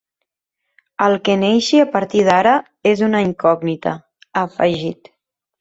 “El que neixi a partir d’ara és una incògnita”, ha afegit.